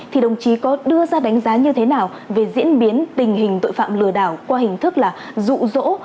thì đồng chí có đưa ra đánh giá như thế nào về diễn biến tình hình tội phạm lừa đảo qua hình thức là rụ rỗ